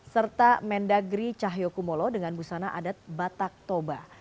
serta mendagri cahyokumolo dengan busana adat batak toba